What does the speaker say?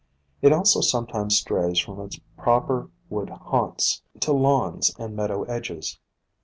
It also sometimes strays from its proper wood haunts, to lawns and meadow edges.